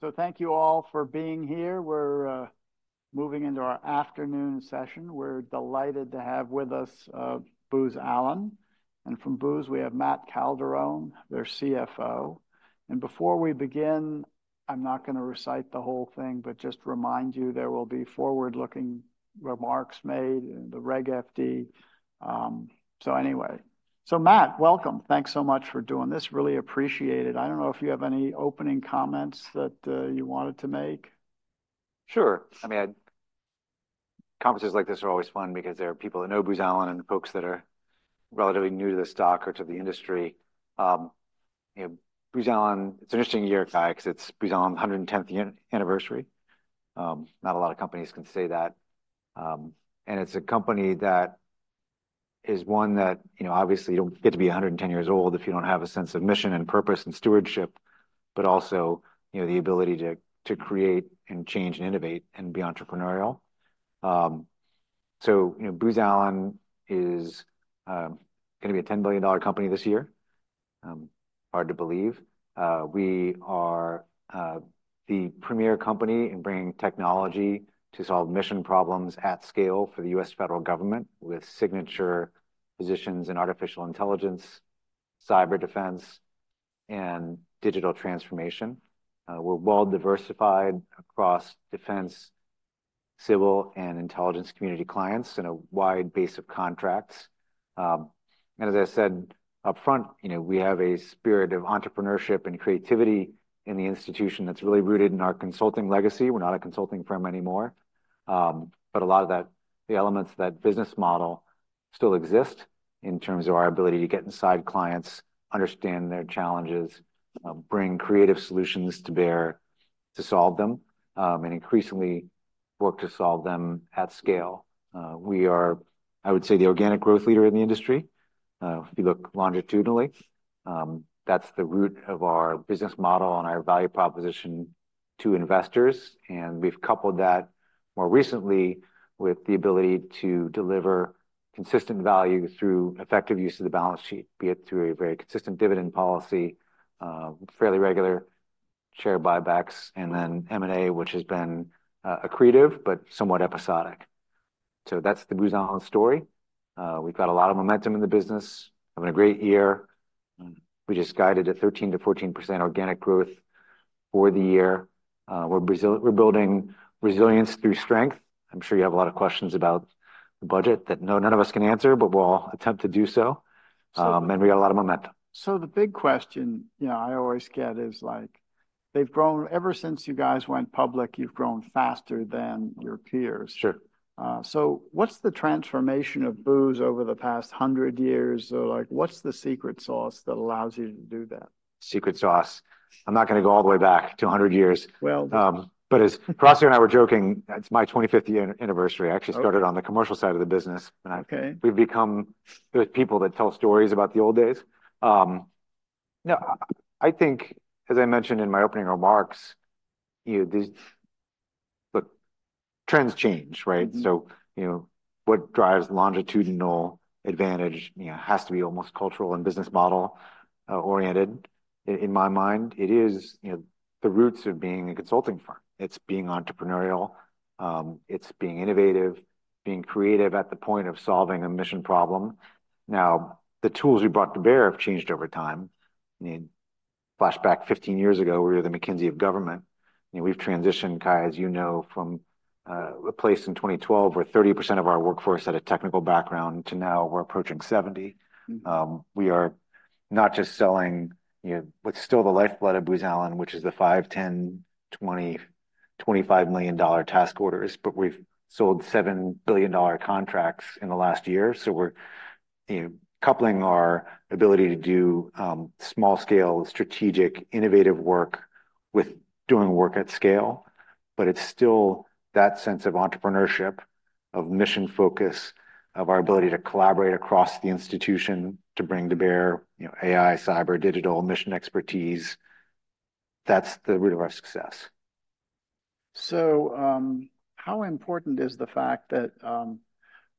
So thank you all for being here. We're moving into our afternoon session. We're delighted to have with us Booz Allen. And from Booz, we have Matt Calderone, their CFO. And before we begin, I'm not going to recite the whole thing, but just remind you there will be forward-looking remarks made in the Reg FD. So anyway. So, Matt, welcome. Thanks so much for doing this. Really appreciate it. I don't know if you have any opening comments that you wanted to make. Sure. I mean, at conferences like this are always fun because there are people that know Booz Allen and folks that are relatively new to the stock or to the industry. You know, Booz Allen, it's an interesting year, right, because it's Booz Allen's 110th anniversary. Not a lot of companies can say that. It's a company that is one that, you know, obviously you don't get to be 110 years old if you don't have a sense of mission and purpose and stewardship. But also, you know, the ability to create and change and innovate and be entrepreneurial. So, you know, Booz Allen is going to be a $10 billion company this year. Hard to believe. We are the premier company in bringing technology to solve mission problems at scale for the U.S. Federal Government with signature positions in artificial intelligence, cyber defense, and digital transformation. We're well diversified across defense, civil, and intelligence community clients and a wide base of contracts. As I said upfront, you know, we have a spirit of entrepreneurship and creativity in the institution that's really rooted in our consulting legacy. We're not a consulting firm anymore. But a lot of that, the elements of that business model still exist in terms of our ability to get inside clients, understand their challenges, bring creative solutions to bear to solve them, and increasingly work to solve them at scale. We are, I would say, the organic growth leader in the industry. If you look longitudinally, that's the root of our business model and our value proposition to investors. We've coupled that more recently with the ability to deliver consistent value through effective use of the balance sheet, be it through a very consistent dividend policy, fairly regular share buybacks, and then M&A, which has been accretive, but somewhat episodic. So that's the Booz Allen story. We've got a lot of momentum in the business. Having a great year. We just guided a 13%-14% organic growth for the year. We're [busy]. We're building resilience through strength. I'm sure you have a lot of questions about the budget that no, none of us can answer, but we'll all attempt to do so. We got a lot of momentum. So the big question, you know, I always get is like, they've grown ever since you guys went public. You've grown faster than your peers. Sure. What's the transformation of Booz over the past hundred years? Like, what's the secret sauce that allows you to do that? secret sauce? I'm not going to go all the way back to a hundred years. Well. But as Rossie and I were joking, it's my 25th year anniversary. I actually started on the commercial side of the business, and we've become the people that tell stories about the old days. No, I think, as I mentioned in my opening remarks. You know, these. Look, trends change, right? So, you know, what drives longitudinal advantage, you know, has to be almost cultural and business model oriented. In my mind, it is, you know, the roots of being a consulting firm. It's being entrepreneurial. It's being innovative, being creative at the point of solving a mission problem. Now, the tools we brought to bear have changed over time. I mean, flashback 15 years ago, we were the McKinsey of government. You know, we've transitioned, Cai, as you know, from a place in 2012 where 30% of our workforce had a technical background to now we're approaching 70%. We are not just selling, you know, what's still the lifeblood of Booz Allen, which is the $5 million, $10 million, $20 million, $25 million task orders, but we've sold $7 billion contracts in the last year. So we're, you know, coupling our ability to do small scale, strategic, innovative work with doing work at scale. But it's still that sense of entrepreneurship, of mission focus, of our ability to collaborate across the institution to bring to bear, you know, AI, cyber, digital mission expertise. That's the root of our success. So, how important is the fact that,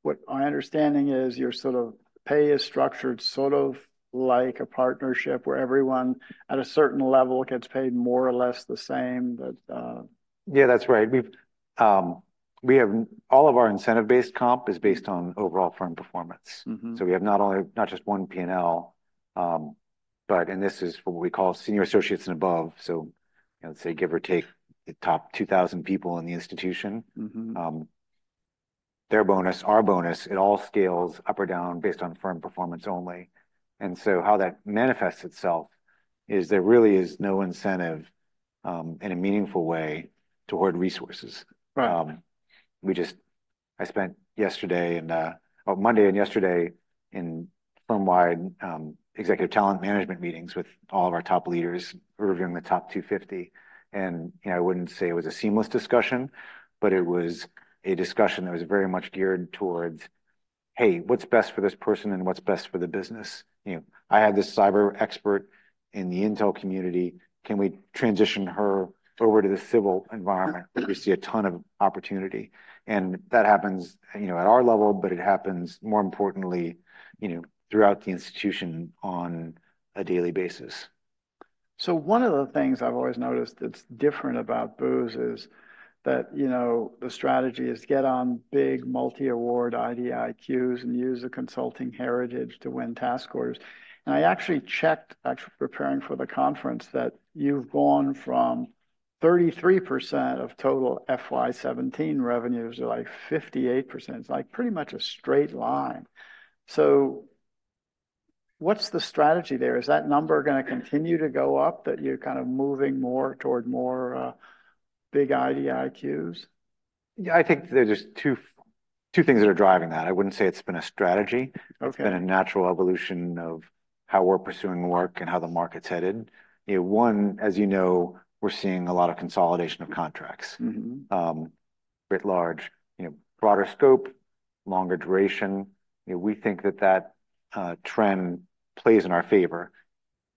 what I understand is your sort of pay is structured sort of like a partnership where everyone at a certain level gets paid more or less the same. But, Yeah, that's right. We have all of our incentive-based comp is based on overall firm performance. So we have not only not just one P&L, but and this is for what we call senior associates and above. So, you know, let's say, give or take the top 2,000 people in the institution. Their bonus, our bonus, it all scales up or down based on firm performance only. And so how that manifests itself is there really is no incentive, in a meaningful way toward resources. Right. I just spent yesterday and, oh, Monday and yesterday in firm-wide executive talent management meetings with all of our top leaders reviewing the top 250. You know, I wouldn't say it was a seamless discussion. But it was a discussion that was very much geared towards, hey, what's best for this person, and what's best for the business? You know, I had this cyber expert in the intel community. Can we transition her over to the civil environment? We see a ton of opportunity, and that happens, you know, at our level. But it happens, more importantly, you know, throughout the institution on a daily basis. So one of the things I've always noticed that's different about Booz is that, you know, the strategy is get on big multi-award IDIQs and use the consulting heritage to win task orders. And I actually checked, actually preparing for the conference, that you've gone from 33% of total FY 2017 revenues to like 58%. It's like pretty much a straight line. So what's the strategy there? Is that number going to continue to go up, that you're kind of moving more toward more, big IDIQs? Yeah, I think there's just two, two things that are driving that. I wouldn't say it's been a strategy. It's been a natural evolution of how we're pursuing work and how the market's headed. You know, one, as you know, we're seeing a lot of consolidation of contracts writ large, you know, broader scope, longer duration. You know, we think that that trend plays in our favor.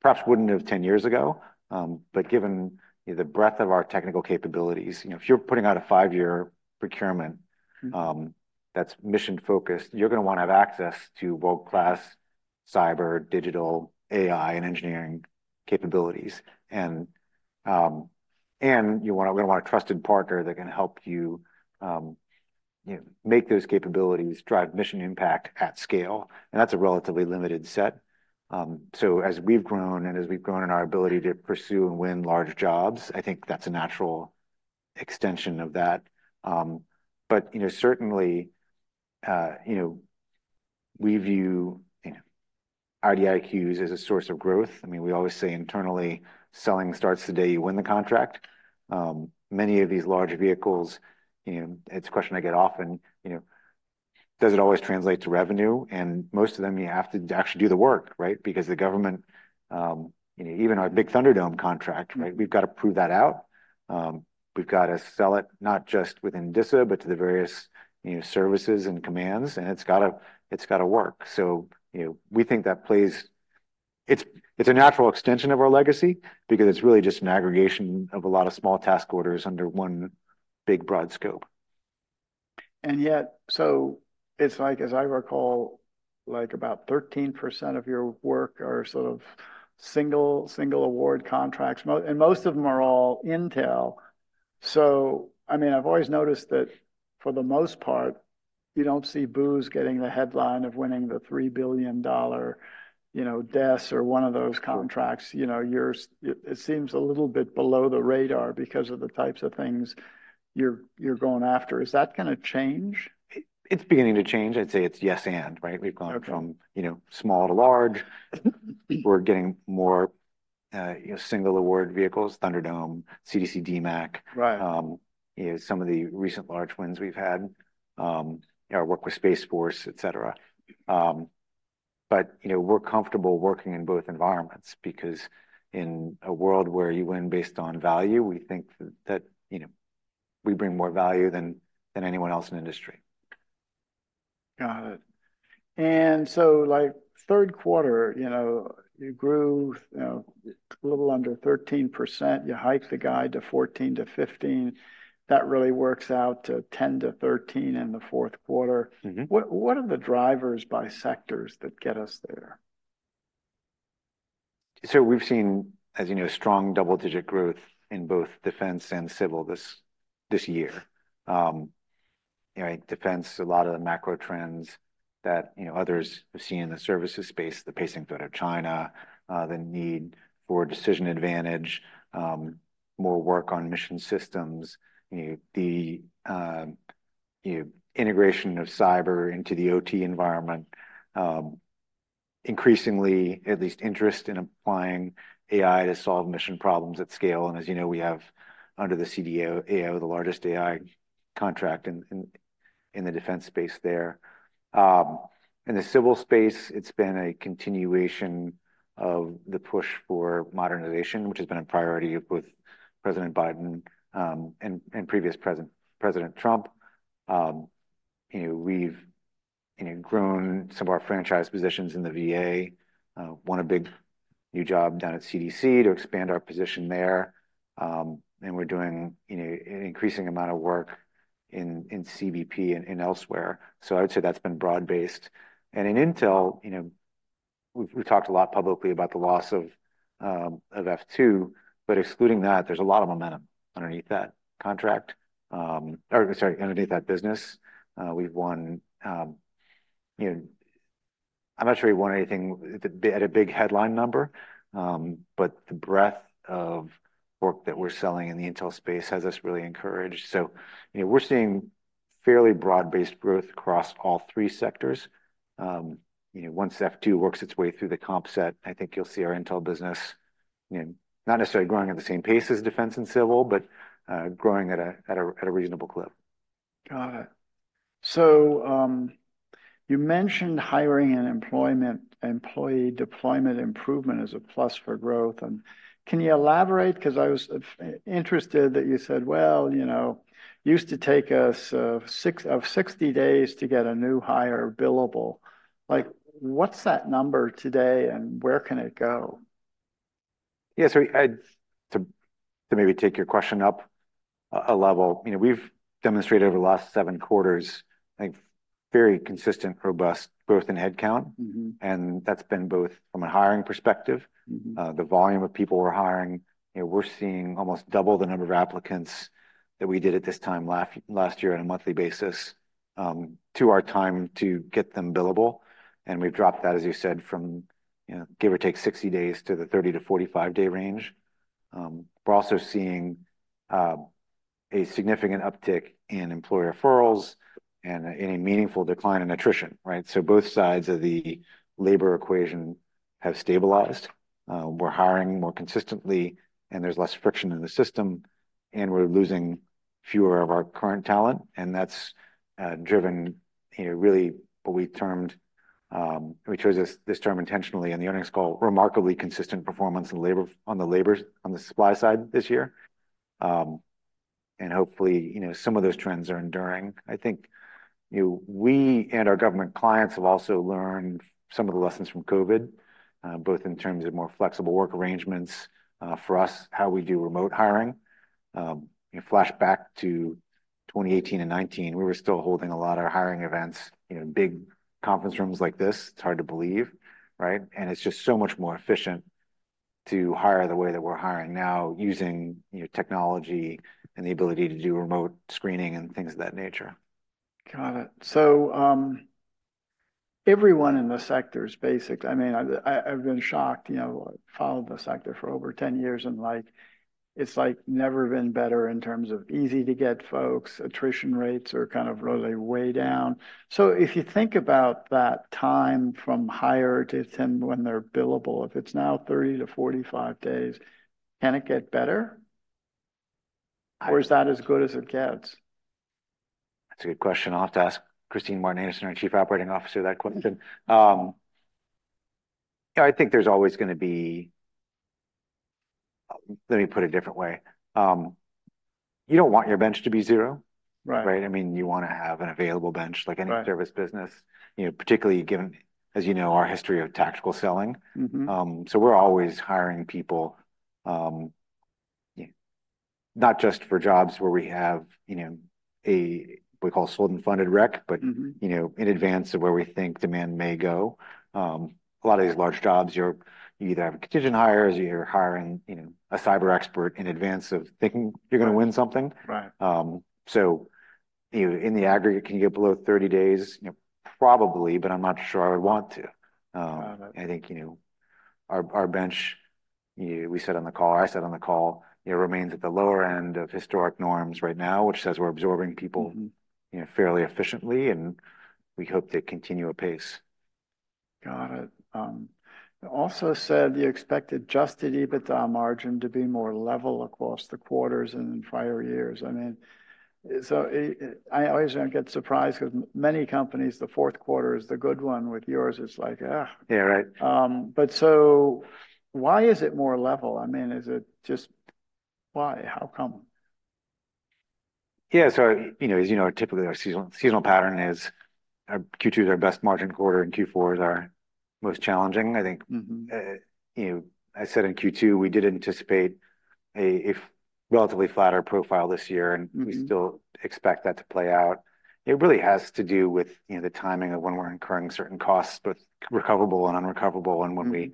Perhaps wouldn't have 10 years ago. But given, you know, the breadth of our technical capabilities, you know, if you're putting out a five-year procurement, that's mission focused, you're going to want to have access to world-class cyber, digital, AI, and engineering capabilities. And, and you want to we're going to want a trusted partner that can help you, you know, make those capabilities drive mission impact at scale. And that's a relatively limited set. So as we've grown, and as we've grown in our ability to pursue and win large jobs, I think that's a natural extension of that. But, you know, certainly, you know. We view, you know, IDIQs as a source of growth. I mean, we always say internally, selling starts the day you win the contract. Many of these large vehicles, you know, it's a question I get often, you know. Does it always translate to revenue? And most of them, you have to actually do the work, right? Because the government, you know, even our big Thunderdome contract, right? We've got to prove that out. We've got to sell it, not just within DISA, but to the various, you know, services and commands. And it's got to, it's got to work. So, you know, we think that plays. It's a natural extension of our legacy, because it's really just an aggregation of a lot of small task orders under one big broad scope. And yet, so it's like, as I recall, like about 13% of your work are sort of single, single award contracts, and most of them are all intel. So, I mean, I've always noticed that, for the most part, you don't see Booz getting the headline of winning the $3 billion, you know, DES, or one of those contracts. You know, you're it seems a little bit below the radar because of the types of things you're you're going after. Is that going to change? It's beginning to change. I'd say it's yes, and right. We've gone from, you know, small to large. We're getting more, you know, single award vehicles, Thunderdome, CDC, DMAC. Right. You know, some of the recent large wins we've had. Our work with Space Force, etc. But, you know, we're comfortable working in both environments, because in a world where you win based on value, we think that, you know. We bring more value than than anyone else in the industry. Got it. And so, like, third quarter, you know, you grew, you know, a little under 13%. You hiked the guide to 14%-15%. That really works out to 10%-13% in the fourth quarter. What are the drivers by sectors that get us there? So we've seen, as you know, strong double-digit growth in both defense and civil this year. You know, I think defense, a lot of the macro trends that, you know, others have seen in the services space, the pacing threat of China, the need for decision advantage, more work on mission systems. You know, the integration of cyber into the OT environment, increasingly at least interest in applying AI to solve mission problems at scale. And, as you know, we have, under the CDAO, the largest AI contract in the defense space there. In the civil space, it's been a continuation of the push for modernization, which has been a priority with President Biden, and previous President Trump. You know, we've grown some of our franchise positions in the VA. won a big new job down at CDC to expand our position there, and we're doing, you know, an increasing amount of work in CBP and elsewhere. So I would say that's been broad-based. And in intel, you know, we've talked a lot publicly about the loss of F2. But, excluding that, there's a lot of momentum underneath that contract—or sorry, underneath that business. We've won, you know, I'm not sure we won anything at a big headline number, but the breadth of work that we're selling in the intel space has us really encouraged. So, you know, we're seeing fairly broad-based growth across all three sectors. You know, once F2 works its way through the comp set, I think you'll see our intel business, you know, not necessarily growing at the same pace as defense and civil, but growing at a reasonable clip. Got it. So, you mentioned hiring and employment, employee deployment improvement is a plus for growth. And can you elaborate? Because I was interested that you said, well, you know, used to take us six to 60 days to get a new hire billable. Like, what's that number today? And where can it go? Yeah. So, to maybe take your question up a level, you know, we've demonstrated over the last seven quarters, I think, very consistent, robust growth in headcount. And that's been both from a hiring perspective. The volume of people we're hiring, you know, we're seeing almost double the number of applicants that we did at this time last year on a monthly basis. To our time to get them billable. And we've dropped that, as you said, from, you know, give or take 60 days to the 30-45 day range. We're also seeing a significant uptick in employer referrals and any meaningful decline in attrition. Right? So both sides of the labor equation have stabilized. We're hiring more consistently, and there's less friction in the system. And we're losing fewer of our current talent. That's driven, you know, really what we termed. We chose this term intentionally, and the earnings call remarkably consistent performance in labor on the labor supply side this year. And hopefully, you know, some of those trends are enduring. I think, you know, we and our government clients have also learned some of the lessons from COVID, both in terms of more flexible work arrangements, for us, how we do remote hiring. You know, flashback to 2018 and 2019, we were still holding a lot of hiring events, you know, big conference rooms like this. It's hard to believe, right? And it's just so much more efficient to hire the way that we're hiring now, using, you know, technology and the ability to do remote screening and things of that nature. Got it. So, everyone in the sector's basics. I mean, I've been shocked, you know, followed the sector for over 10 years, and like. It's like never been better in terms of easy to get folks, attrition rates are kind of really way down. So if you think about that time from hire to 10 when they're billable, if it's now 30-45 days, can it get better? Or is that as good as it gets? That's a good question. I'll have to ask Kristine Martin Anderson, our Chief Operating Officer, that question. Yeah, I think there's always going to be. Let me put it a different way. You don't want your bench to be zero. Right. Right? I mean, you want to have an available bench, like any service business, you know, particularly given, as you know, our history of tactical selling. So we're always hiring people, you know. Not just for jobs where we have, you know, a what we call sold and funded rec, but, you know, in advance of where we think demand may go. A lot of these large jobs, you're either have contingent hires, or you're hiring, you know, a cyber expert in advance of thinking you're going to win something. Right. So, you know, in the aggregate, can you get below 30 days? You know, probably, but I'm not sure I would want to. I think, you know. Our bench, you know, we said on the call, I said on the call, you know, remains at the lower end of historic norms right now, which says we're absorbing people, you know, fairly efficiently, and we hope to continue a pace. Got it. Also said you expected just an EBITDA margin to be more level across the quarters and in prior years. I mean. So I always don't get surprised, because many companies, the fourth quarter is the good one with yours. It's like, ugh. Yeah, right. But so why is it more level? I mean, is it just why? How come? Yeah. So, you know, as you know, typically our seasonal pattern is our Q2 is our best margin quarter, and Q4 is our most challenging, I think. You know, I said in Q2 we did anticipate a relatively flatter profile this year, and we still expect that to play out. It really has to do with, you know, the timing of when we're incurring certain costs, both recoverable and unrecoverable, and when we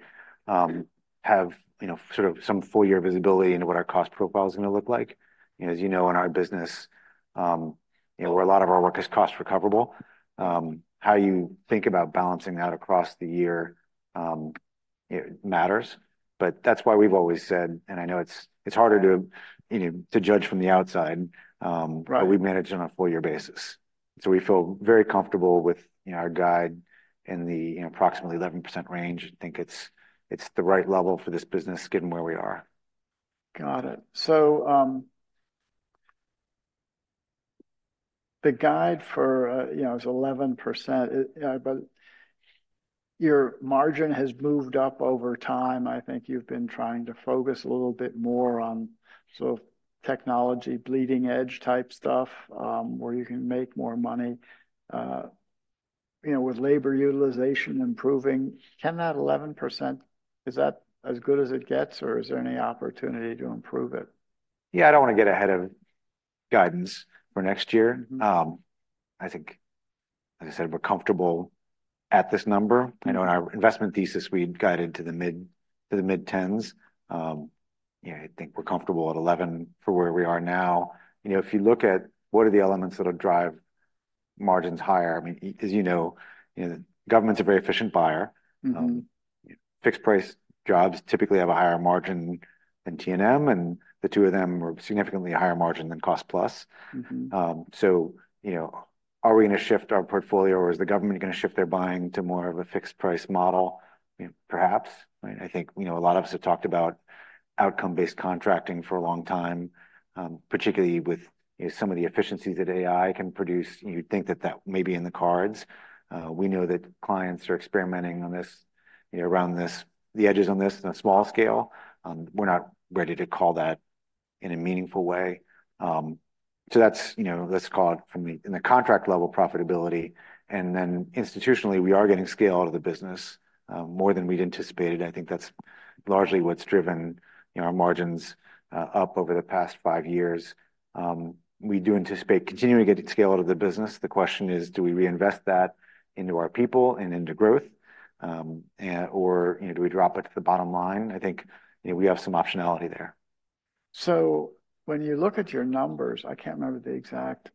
have, you know, sort of some full year visibility into what our cost profile is going to look like. You know, as you know, in our business, you know, where a lot of our work is cost recoverable. How you think about balancing that across the year, it matters. But that's why we've always said, and I know it's harder to, you know, to judge from the outside. We manage it on a full year basis. So we feel very comfortable with, you know, our guide in the, you know, approximately 11% range. I think it's the right level for this business, given where we are. Got it. So, the guide for, you know, it was 11%. Yeah. But your margin has moved up over time. I think you've been trying to focus a little bit more on sort of technology, bleeding edge type stuff, where you can make more money, you know, with labor utilization improving. Can that 11%? Is that as good as it gets? Or is there any opportunity to improve it? Yeah, I don't want to get ahead of guidance for next year. I think. As I said, we're comfortable at this number. I know in our investment thesis we'd guide into the mid to the mid 10s. Yeah, I think we're comfortable at 11 for where we are now. You know, if you look at what are the elements that'll drive margins higher? I mean, as you know, you know, governments are a very efficient buyer. You know, fixed price jobs typically have a higher margin than T&M, and the two of them are significantly higher margin than cost plus. So, you know, are we going to shift our portfolio, or is the government going to shift their buying to more of a fixed price model? You know, perhaps, right? I think we know a lot of us have talked about outcome-based contracting for a long time. Particularly with, you know, some of the efficiencies that AI can produce. You'd think that that may be in the cards. We know that clients are experimenting on this, you know, around this, the edges on this on a small scale. We're not ready to call that in a meaningful way. So that's, you know, let's call it from the in the contract level profitability. Then, institutionally, we are getting scale out of the business more than we'd anticipated. I think that's largely what's driven, you know, our margins up over the past five years. We do anticipate continuing to get scale out of the business. The question is, do we reinvest that into our people and into growth? And/or, you know, do we drop it to the bottom line? I think, you know, we have some optionality there. So when you look at your numbers, I can't remember the exact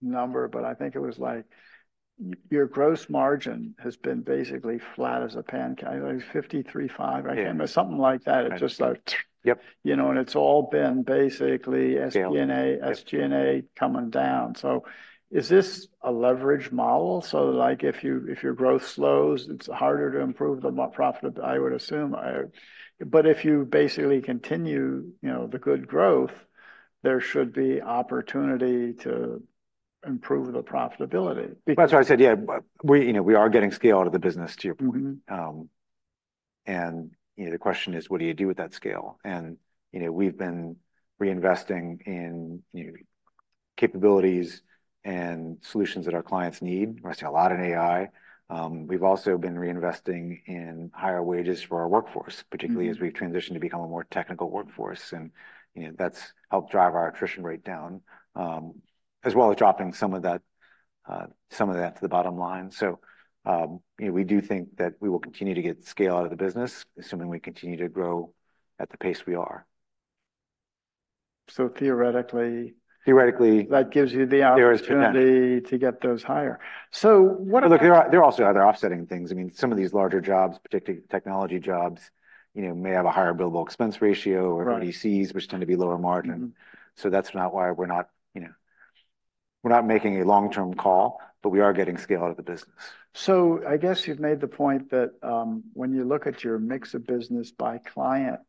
number, but I think it was like your gross margin has been basically flat as a pancake. I think it was 53.5. I can't remember something like that. It's just like. Yep. You know, and it's all been basically SG&A, SG&A coming down. So is this a leverage model? So like, if your growth slows, it's harder to improve the profitability, I would assume. But if you basically continue, you know, the good growth. There should be opportunity to improve the profitability. That's why I said, yeah, we, you know, we are getting scale out of the business, to your point. And, you know, the question is, what do you do with that scale? And, you know, we've been reinvesting in, you know, capabilities and solutions that our clients need. We're seeing a lot in AI. We've also been reinvesting in higher wages for our workforce, particularly as we've transitioned to become a more technical workforce. And, you know, that's helped drive our attrition rate down, as well as dropping some of that, some of that, to the bottom line. So, you know, we do think that we will continue to get scale out of the business, assuming we continue to grow at the pace we are. So theoretically. Theoretically. That gives you the opportunity to get those higher. So what about. Look, there are also other offsetting things. I mean, some of these larger jobs, particularly technology jobs, you know, may have a higher billable expense ratio or ODCs, which tend to be lower margin. So that's not why we're not, you know. We're not making a long-term call, but we are getting scale out of the business. I guess you've made the point that, when you look at your mix of business by client,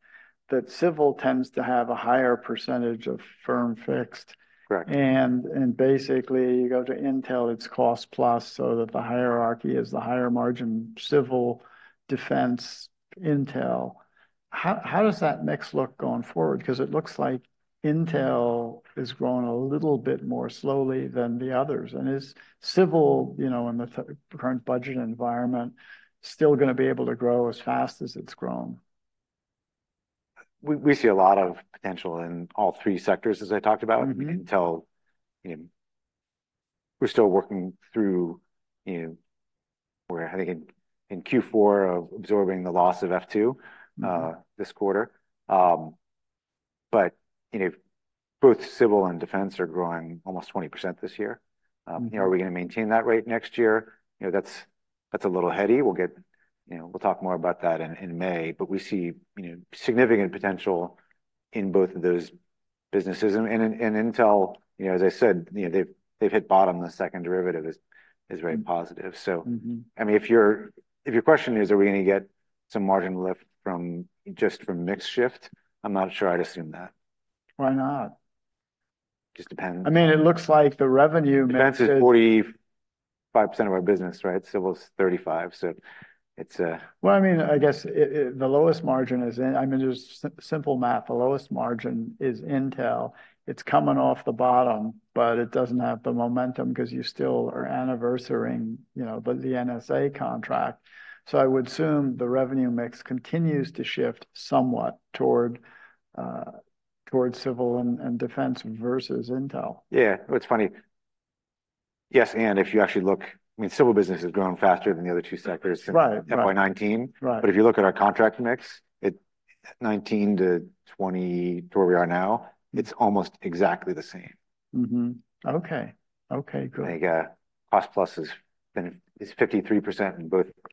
that civil tends to have a higher percentage of firm fixed. Correct. Basically you go to Intel. It's cost plus, so that the hierarchy is the higher margin, civil, defense, Intel. How does that mix look going forward? Because it looks like Intel is growing a little bit more slowly than the others. And is civil, you know, in the current budget environment, still going to be able to grow as fast as it's grown? We see a lot of potential in all three sectors, as I talked about. You know. We're still working through, you know. We're, I think, in Q4 of absorbing the loss of F2 this quarter. But, you know. Both civil and defense are growing almost 20% this year. You know, are we going to maintain that rate next year? You know, that's a little heady. We'll get, you know, we'll talk more about that in May. But we see, you know, significant potential in both of those businesses, and intel, you know, as I said, you know, they've hit bottom. The second derivative is very positive. So, I mean, if your question is, are we going to get some margin lift from just mix shift? I'm not sure. I'd assume that. Why not? Just depends. I mean, it looks like the revenue. Defense is 45% of our business, right? Civil's 35%. So it's a. Well, I mean, I guess the lowest margin is in. I mean, there's simple math. The lowest margin is Intel. It's coming off the bottom, but it doesn't have the momentum, because you still are anniversaring, you know, but the NSA contract. So I would assume the revenue mix continues to shift somewhat toward civil and defense versus Intel. Yeah, it's funny. Yes. And if you actually look, I mean, civil business has grown faster than the other two sectors, FY 2019. But if you look at our contract mix, it 2019 to 2020 to where we are now, it's almost exactly the same. Okay, okay, good. I think Cost Plus has been 53%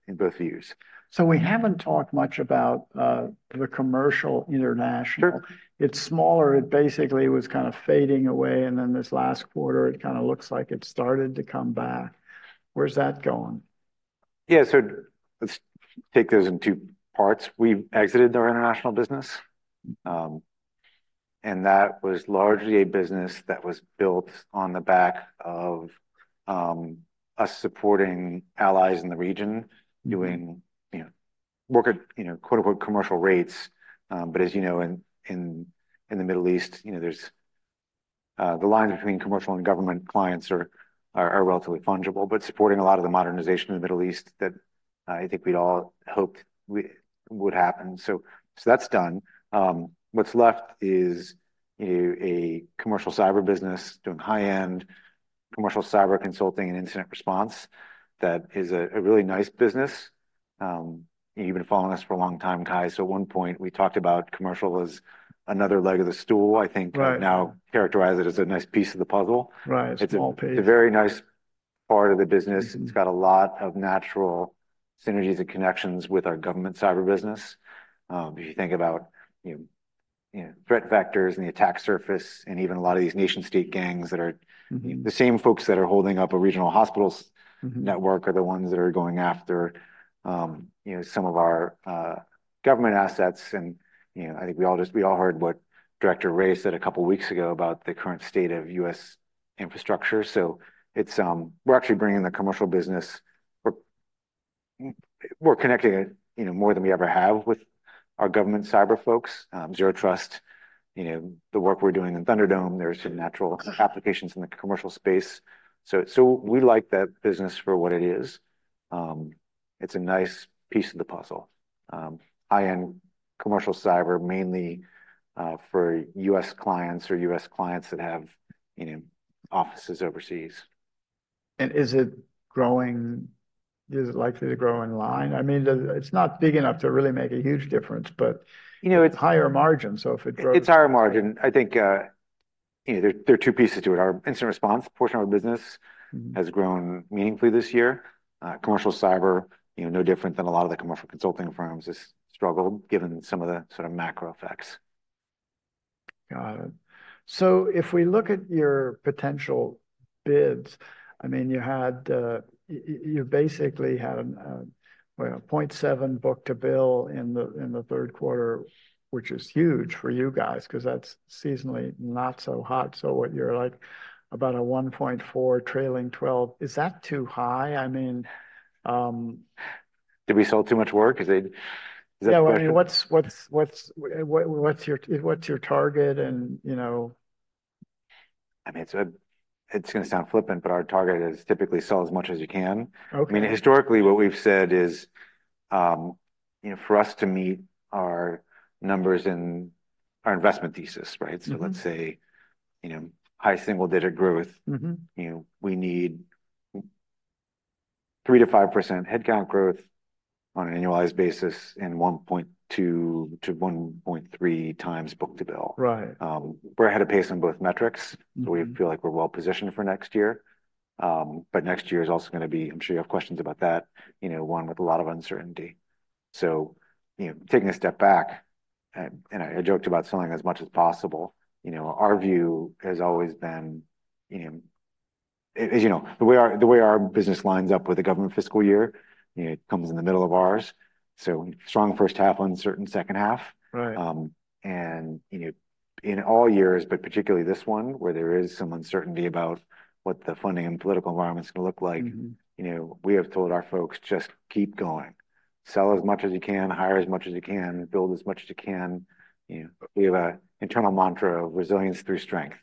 in both views. So we haven't talked much about the commercial international. It's smaller. It basically was kind of fading away. And then this last quarter, it kind of looks like it started to come back. Where's that going? Yeah. So let's take those in two parts. We've exited our international business. And that was largely a business that was built on the back of us supporting allies in the region, doing, you know, work at, you know, quote-unquote, commercial rates. But as you know, in the Middle East, you know, there's the lines between commercial and government clients are relatively fungible, but supporting a lot of the modernization in the Middle East that, I think, we'd all hoped we would happen. So that's done. What's left is, you know, a commercial cyber business doing high-end commercial cyber consulting and incident response. That is a really nice business. You've been following us for a long time, Cai. At one point we talked about commercial as another leg of the stool, I think, now characterize it as a nice piece of the puzzle. Right. It's a small piece. It's a very nice part of the business. It's got a lot of natural synergies and connections with our government cyber business. If you think about, you know, you know, threat vectors and the attack surface, and even a lot of these nation-state gangs that are, you know, the same folks that are holding up a regional hospitals network are the ones that are going after, you know, some of our, government assets. And, you know, I think we all just we all heard what Director Wray said a couple of weeks ago about the current state of U.S. infrastructure. So it's, we're actually bringing the commercial business. We're. We're connecting it, you know, more than we ever have with our government cyber folks. Zero trust. You know, the work we're doing in Thunderdome. There's some natural applications in the commercial space. So, so we like that business for what it is. It's a nice piece of the puzzle. High-end commercial cyber, mainly. For U.S. clients or U.S. clients that have, you know, offices overseas. Is it growing? Is it likely to grow in line? I mean, it's not big enough to really make a huge difference, but. You know, it's. Higher margin. So if it grows. It's higher margin, I think. You know, there are two pieces to it. Our incident response portion of our business has grown meaningfully this year. Commercial cyber, you know, no different than a lot of the commercial consulting firms has struggled, given some of the sort of macro effects. Got it. So if we look at your potential bids. I mean, you basically had a 0.7 book-to-bill in the third quarter. Which is huge for you guys, because that's seasonally not so hot. So what you're like about a 1.4 trailing 12. Is that too high? I mean. Did we sell too much work? Is it? Yeah. Well, I mean, what's your target? And, you know. I mean, it's a it's gonna sound flippant, but our target is typically sell as much as you can. I mean, historically, what we've said is, you know, for us to meet our numbers in our investment thesis, right? So let's say. You know, high single-digit growth. You know, we need 3%-5% headcount growth on an annualized basis, and 1.2-1.3x book-to-bill. Right. We're ahead of pace on both metrics. So we feel like we're well positioned for next year. But next year is also going to be. I'm sure you have questions about that, you know, one with a lot of uncertainty. So. You know, taking a step back. I joked about selling as much as possible. You know, our view has always been. You know. As you know, the way our business lines up with the government fiscal year. You know, it comes in the middle of ours. So strong first half, uncertain second half. Right. And, you know, in all years, but particularly this one, where there is some uncertainty about what the funding and political environment's gonna look like. You know, we have told our folks, just keep going. Sell as much as you can, hire as much as you can, build as much as you can. You know, we have an internal mantra of resilience through strength.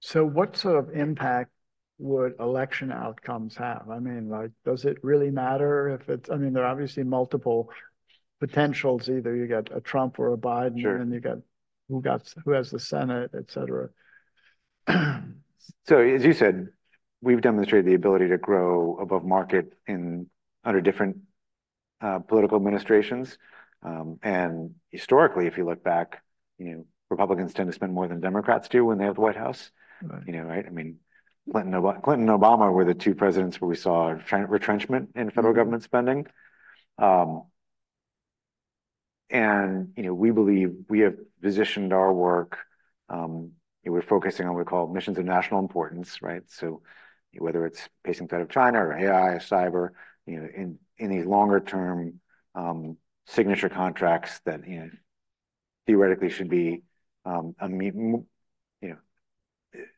So what sort of impact would election outcomes have? I mean, like, does it really matter if it's? I mean, there are obviously multiple potentials. Either you get a Trump or a Biden, and you get who got who has the Senate, etc. So, as you said, we've demonstrated the ability to grow above market in under different political administrations, and historically, if you look back, you know, Republicans tend to spend more than Democrats do when they have the White House. Right. You know, right? I mean, Clinton, Clinton and Obama were the two presidents where we saw retrenchment in federal government spending. You know, we believe we have positioned our work. You know, we're focusing on what we call missions of national importance, right? So, you know, whether it's pacing threat of China or AI, cyber, you know, in these longer term signature contracts that, you know, theoretically should be immune. You know,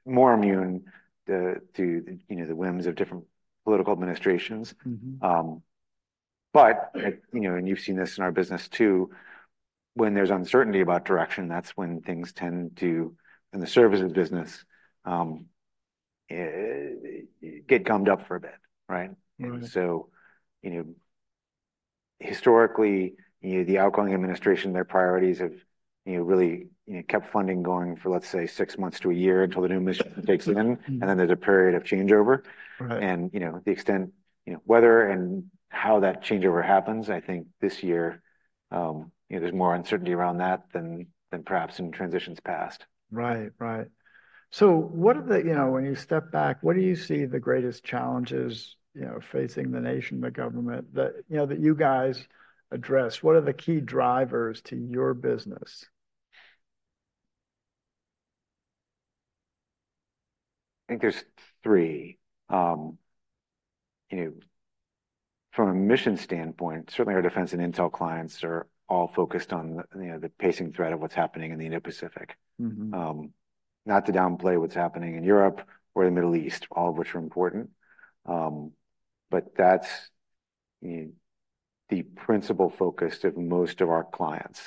more immune to, you know, the whims of different political administrations. But, you know, and you've seen this in our business, too. When there's uncertainty about direction, that's when things tend to, in the service business, get gummed up for a bit, right? So, you know, historically, you know, the outgoing administration, their priorities have. You know, really, you know, kept funding going for, let's say, six months to a year, until the new mission takes in, and then there's a period of changeover. Right. You know, the extent, you know, weather and how that changeover happens, I think this year. You know, there's more uncertainty around that than perhaps in transitions past. Right, right. So what are the, you know, when you step back, what do you see the greatest challenges, you know, facing the nation, the government that, you know, that you guys address? What are the key drivers to your business? I think there's three. You know. From a mission standpoint, certainly our defense and intel clients are all focused on the, you know, the pacing threat of what's happening in the Indo-Pacific. Not to downplay what's happening in Europe or the Middle East, all of which are important. But that's. You know. The principal focus of most of our clients.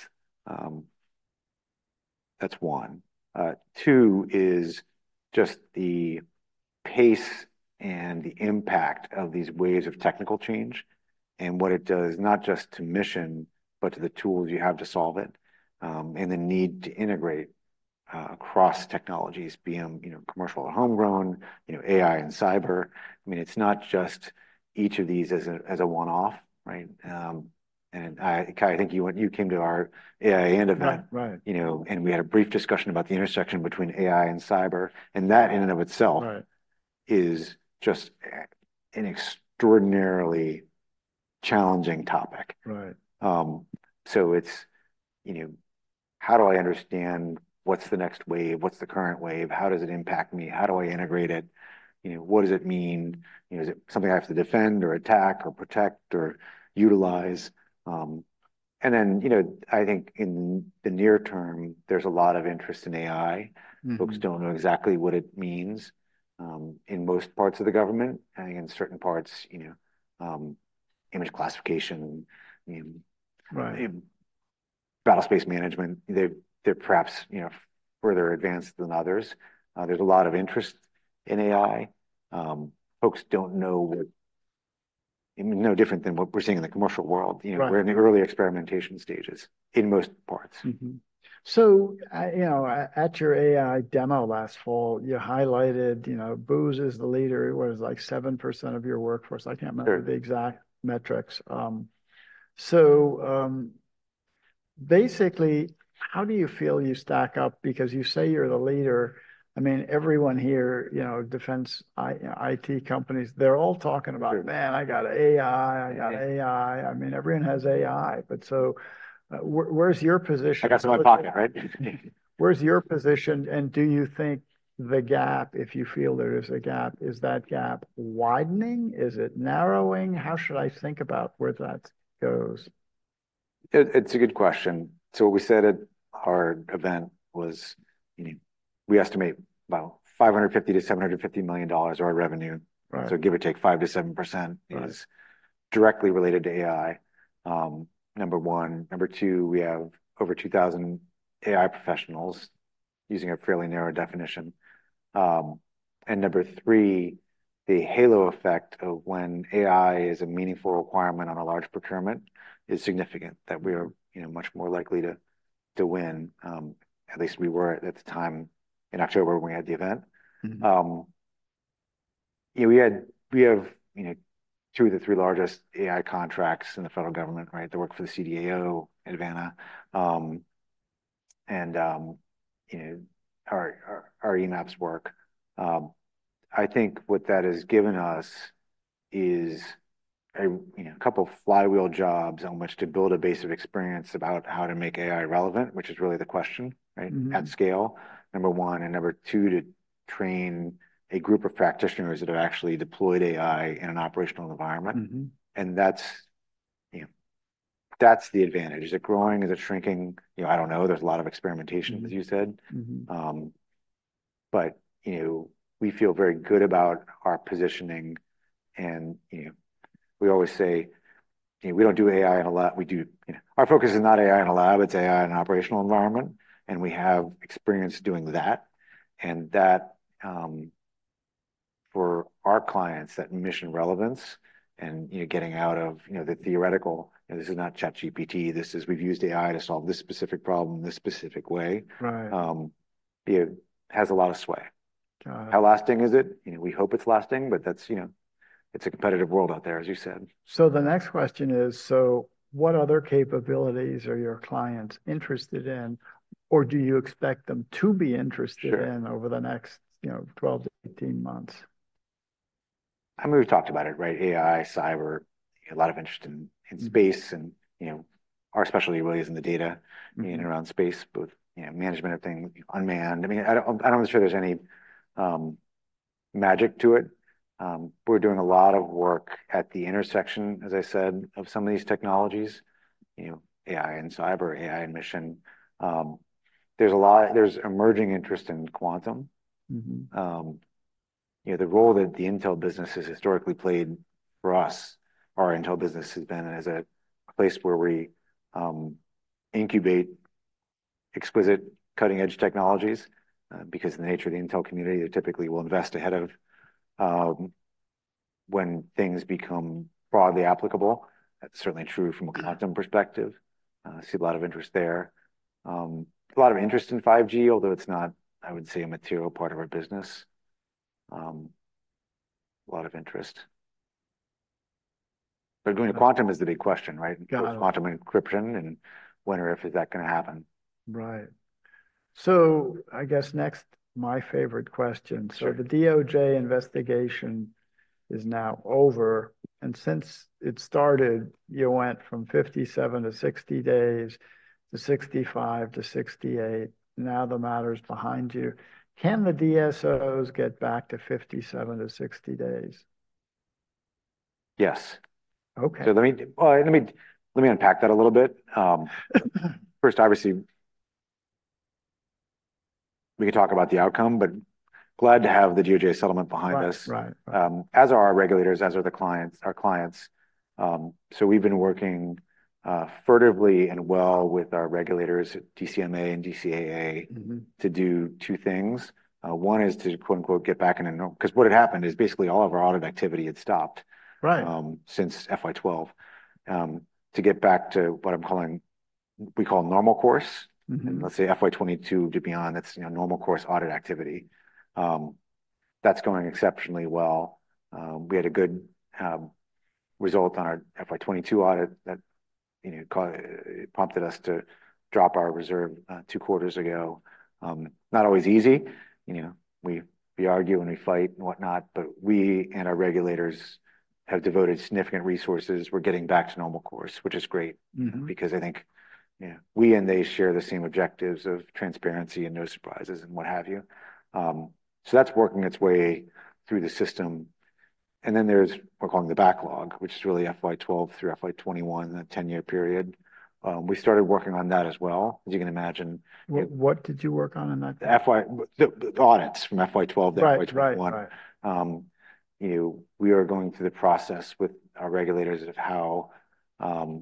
That's one, two is just the pace and the impact of these waves of technical change. And what it does, not just to mission, but to the tools you have to solve it, and the need to integrate across technologies, being, you know, commercial or homegrown, you know, AI and cyber. I mean, it's not just each of these as a one-off, right? And I, Cai, I think you came to our AI event. Right, right. You know, we had a brief discussion about the intersection between AI and cyber, and that in and of itself. Right. It's just an extraordinarily challenging topic. Right. So it's, you know, how do I understand what's the next wave? What's the current wave? How does it impact me? How do I integrate it? You know, what does it mean? You know, is it something I have to defend or attack or protect or utilize? And then, you know, I think in the near term, there's a lot of interest in AI. Folks don't know exactly what it means in most parts of the government, and in certain parts, you know. Image classification. Right. Battlespace management. They're perhaps, you know, further advanced than others. There's a lot of interest in AI. Folks don't know what. No different than what we're seeing in the commercial world. You know, we're in the early experimentation stages in most parts. So, you know, at your AI demo last fall, you highlighted, you know, Booz is the leader. It was like 7% of your workforce. I can't remember the exact metrics. So, basically, how do you feel you stack up? Because you say you're the leader. I mean, everyone here, you know, defense IT companies, they're all talking about, man, I got AI. I got AI. I mean, everyone has AI. But so, where's your position? I got some in my pocket, right? Where's your position? And do you think the gap, if you feel there is a gap, is that gap widening? Is it narrowing? How should I think about where that goes? It's a good question. So what we said at our event was, you know, we estimate about $550 million-$750 million of our revenue. Right. So give or take 5%-7% is directly related to AI. Number one. Number two, we have over 2,000 AI professionals using a fairly narrow definition. And number three, the halo effect of when AI is a meaningful requirement on a large procurement is significant, that we are, you know, much more likely to win. At least we were at the time. In October, when we had the event, you know, we have, you know, two of the three largest AI contracts in the Federal Government, right? The work for the CDAO in Advana. And, you know, our eMAPS work. I think what that has given us is a couple of flywheel jobs on which to build a base of experience about how to make AI relevant, which is really the question, right? At scale. Number one, and number two, to train a group of practitioners that have actually deployed AI in an operational environment. And that's. You know. That's the advantage. Is it growing? Is it shrinking? You know, I don't know. There's a lot of experimentation, as you said. But, you know, we feel very good about our positioning. And, you know. We always say. You know, we don't do AI in a lab. We do, you know. Our focus is not AI in a lab. It's AI in an operational environment, and we have experience doing that. And that. For our clients, that mission relevance. And, you know, getting out of, you know, the theoretical. You know, this is not ChatGPT. This is we've used AI to solve this specific problem this specific way. Right. You know, has a lot of sway. Got it. How lasting is it? You know, we hope it's lasting, but that's, you know. It's a competitive world out there, as you said. The next question is, so what other capabilities are your clients interested in? Or do you expect them to be interested in over the next, you know, 12-18 months? I mean, we've talked about it, right? AI, cyber. A lot of interest in space, and you know. Our specialty really is in the data. You know, around space, both you know, management of things, unmanned. I mean, I don't know if there's any magic to it. We're doing a lot of work at the intersection, as I said, of some of these technologies. You know, AI and cyber, AI and mission. There's a lot of emerging interest in quantum. You know, the role that the intel business has historically played for us. Our intel business has been as a place where we incubate exquisite, cutting-edge technologies because of the nature of the intel community. They typically will invest ahead of when things become broadly applicable. That's certainly true from a quantum perspective. We see a lot of interest there. A lot of interest in 5G, although it's not, I would say, a material part of our business. A lot of interest. But going to quantum is the big question, right? Got it. Quantum encryption, and when or if is that gonna happen? Right. So I guess next, my favorite question. So the DOJ investigation is now over, and since it started, you went from 57-60 days, to 65-68. Now the matter's behind you. Can the DSOs get back to 57-60 days? Yes. Okay. So, well, let me unpack that a little bit. First, obviously. We can talk about the outcome, but glad to have the DOJ settlement behind us. Right, right. As are our regulators, as are the clients, our clients. So we've been working fruitfully and well with our regulators, DCMA and DCAA. To do two things. One is to quote unquote get back in, and because what had happened is basically all of our audit activity had stopped. Right. Since FY 2012. To get back to what I'm calling, we call normal course. And let's say FY 2022 to beyond. That's, you know, normal course audit activity. That's going exceptionally well. We had a good result on our FY 2022 audit that, you know, caught it, prompted us to drop our reserve two quarters ago. Not always easy, you know. We argue and we fight and whatnot, but we and our regulators have devoted significant resources. We're getting back to normal course, which is great. Because I think, you know, we and they share the same objectives of transparency and no surprises, and what have you. So that's working its way through the system. And then there's what we're calling the backlog, which is really FY 2012 through FY 2021, that 10-year period. We started working on that as well, as you can imagine. What did you work on in that? The FY audits from FY 2012 to FY 2021. You know, we are going through the process with our regulators of how to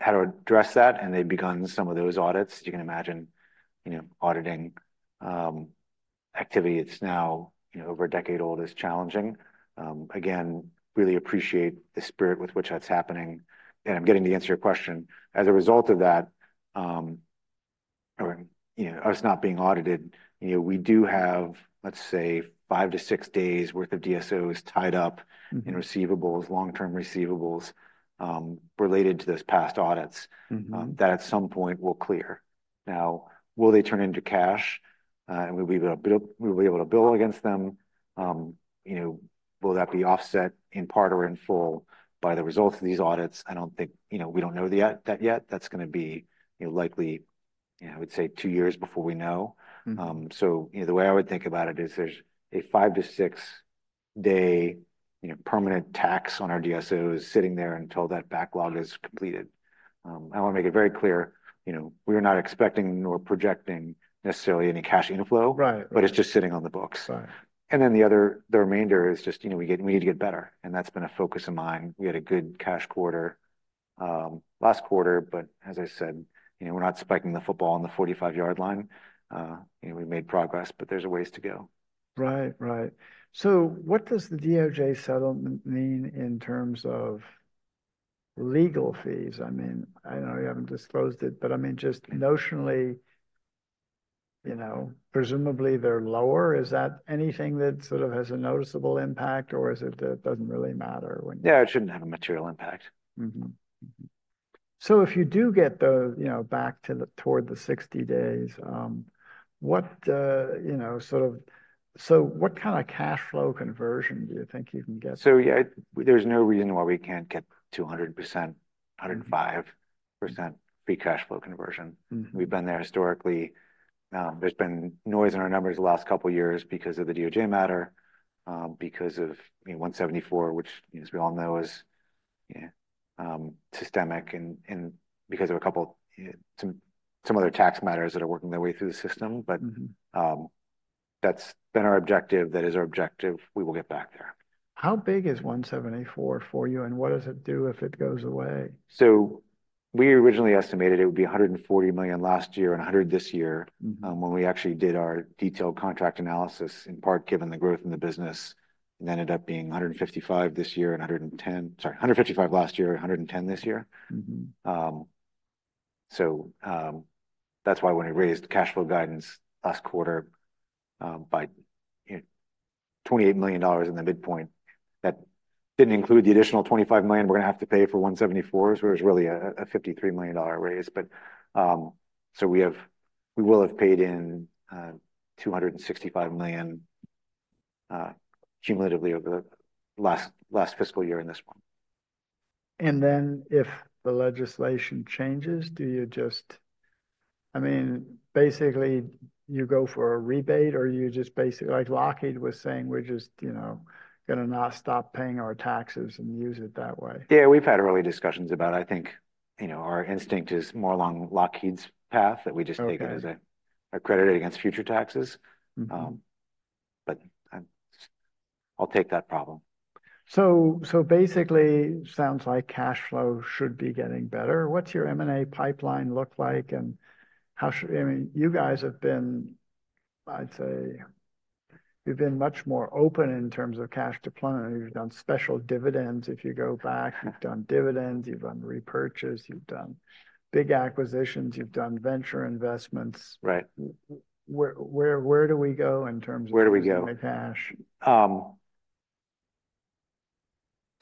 address that, and they've begun some of those audits, as you can imagine. You know, auditing activity. It's now, you know, over a decade old, is challenging. Again, really appreciate the spirit with which that's happening. And I'm getting to answer your question. As a result of that. Or, you know, us not being audited. You know, we do have, let's say, five to six days' worth of DSOs tied up in receivables, long-term receivables related to those past audits. That at some point will clear. Now. Will they turn into cash? And we'll be able to build. We'll be able to bill against them. You know. Will that be offset in part or in full by the results of these audits. I don't think, you know, we don't know yet. That's gonna be, you know, likely. You know, I would say two years before we know. So, you know, the way I would think about it is, there's a five to six day, you know, permanent tax on our DSOs sitting there until that backlog is completed. I wanna make it very clear. You know, we are not expecting nor projecting necessarily any cash inflow. Right. But it's just sitting on the books. Right. Then the other, the remainder is just, you know, we get, we need to get better, and that's been a focus of mine. We had a good cash quarter last quarter. But, as I said, you know, we're not spiking the football on the 45-yard line. You know, we've made progress, but there's a ways to go. Right, right. So what does the DOJ settlement mean in terms of legal fees? I mean, I know you haven't disclosed it, but I mean, just notionally. You know, presumably they're lower. Is that anything that sort of has a noticeable impact, or is it that it doesn't really matter when? Yeah, it shouldn't have a material impact. Mm-hmm. So if you do get the, you know, back to toward the 60 days. What, you know, sort of. So what kind of cash flow conversion do you think you can get? So yeah, there's no reason why we can't get 200%. 105% free cash flow conversion. We've been there historically. There's been noise in our numbers the last couple of years because of the DOJ matter. Because of, you know, 174, which, you know, as we all know, is, you know, systemic, and because of a couple, you know, some other tax matters that are working their way through the system. But that's been our objective. That is our objective. We will get back there. How big is 174 for you, and what does it do if it goes away? So. We originally estimated it would be $140 million last year and $100 million this year. When we actually did our detailed contract analysis, in part given the growth in the business and ended up being $155 million this year and $110 million. Sorry, $155 million last year and $110 million this year. So, that's why when we raised cash flow guidance last quarter by you know $28 million in the midpoint. That didn't include the additional $25 million, we're gonna have to pay for 174, which was really a $53 million raise. But so we have. We will have paid in $265 million. Cumulatively over the last fiscal year in this one. And then, if the legislation changes, do you just? I mean, basically, you go for a rebate, or you just basically, like Lockheed was saying, we're just, you know, gonna not stop paying our taxes and use it that way. Yeah, we've had early discussions about it. I think. You know, our instinct is more along Lockheed's path that we just take it as a credited against future taxes. But. I'll take that problem. So, so basically, sounds like cash flow should be getting better. What's your M&A pipeline look like, and how should I mean, you guys have been. I'd say. You've been much more open in terms of cash deployment. You've done special dividends. If you go back, you've done dividends. You've run repurchase. You've done big acquisitions. You've done venture investments. Right. Where do we go in terms of? Where do we go? Cash? So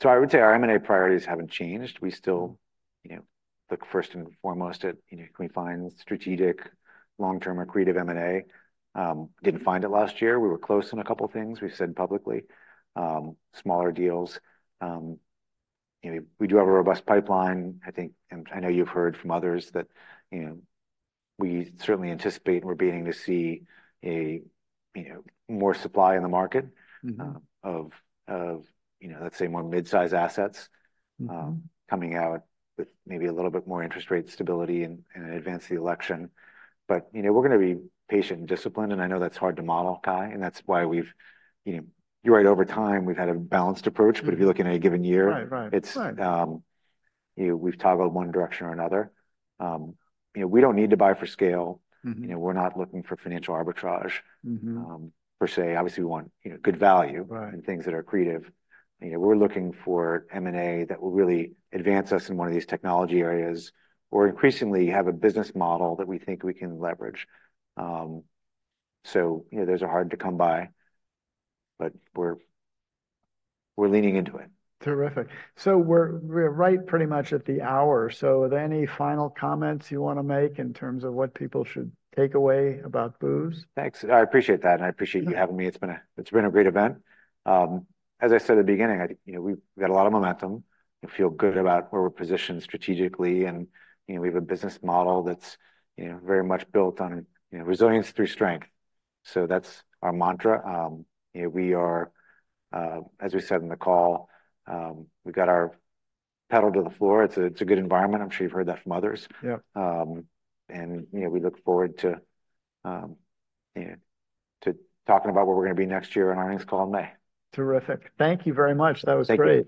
I would say our M&A priorities haven't changed. We still, you know, look first and foremost at, you know, can we find strategic long-term or creative M&A? Didn't find it last year. We were close in a couple of things. We've said publicly. Smaller deals. You know, we do have a robust pipeline, I think, and I know you've heard from others that, you know, we certainly anticipate, and we're beginning to see a, you know, more supply in the market of, you know, let's say, more midsize assets coming out with maybe a little bit more interest rate stability and advance the election. But you know, we're gonna be patient and disciplined, and I know that's hard to model, Guy, and that's why we've, you know, you're right. Over time, we've had a balanced approach, but if you look in a given year. Right, right. You know, we've toggled one direction or another. You know, we don't need to buy for scale. You know, we're not looking for financial arbitrage per se. Obviously, we want, you know, good value. Right. Things that are creative. You know, we're looking for M&A that will really advance us in one of these technology areas. Or increasingly have a business model that we think we can leverage. So, you know, those are hard to come by. But we're leaning into it. Terrific. So we're right pretty much at the hour. So are there any final comments you wanna make in terms of what people should take away about Booz? Thanks. I appreciate that, and I appreciate you having me. It's been a great event. As I said at the beginning, I, you know, we've got a lot of momentum. We feel good about where we're positioned strategically, and, you know, we have a business model that's very much built on, you know, resilience through strength. So that's our mantra. You know, we are. As we said in the call, we got our pedal to the floor. It's a good environment. I'm sure you've heard that from others. Yeah. You know, we look forward to, you know, talking about where we're gonna be next year in our earnings call in May. Terrific. Thank you very much. That was great.